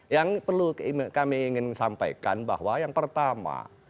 yang perlu kami ingin sampaikan bahwa yang pertama